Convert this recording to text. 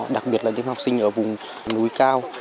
đặc biệt là những học sinh ở vùng núi cao